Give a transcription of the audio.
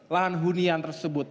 lahan hunian tersebut